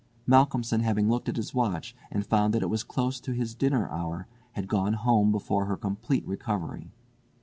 Malcolmson having looked at his watch, and found that it was close to his dinner hour, had gone home before her complete recovery.